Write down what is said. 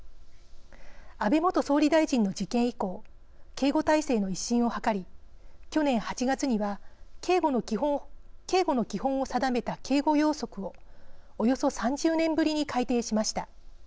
安倍元総理大臣の事件以降警護態勢の一新を図り去年８月には警護の基本を定めた警護要則をおよそ３０年ぶりに改訂しました。